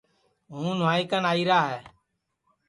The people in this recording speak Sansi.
ہوں نُوائی کن آئیرا ہے